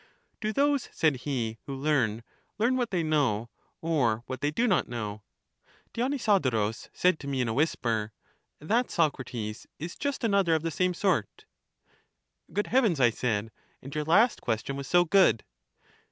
Do those, said he, who learn, learn what they know, or what they do not know? Dionysodorus said to me in a whisper: That, Socrates, is just another of the same sort. Good heavens, I said; and your last question was so good